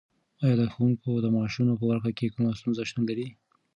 ایا د ښوونکو د معاشونو په ورکړه کې کومه ستونزه شتون لري؟